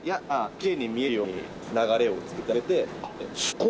きれいに見えるように流れを作ってあげて。